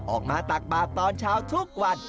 ออกมาตักบาดตอนเช้าทุกวัน